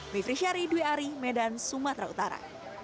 mifri syari dwi ari medan sumatera utara